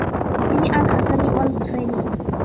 তিনি আল-হাসানি-ওয়াল-হোসাইনি।